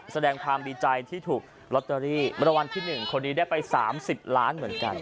แสดงความดีใจที่ถูกล็อตเตอรี่มรวมวันที่หนึ่งคนนี้ได้ไปสามสิบล้านเหมือนกัน